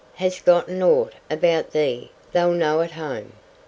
hast gotten aught about thee they'll know at home?"